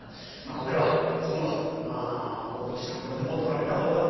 これはその落としたものでもとられたものでもございません。